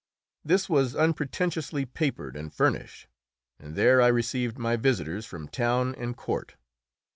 This was unpretentiously papered and furnished, and there I received my visitors from town and court.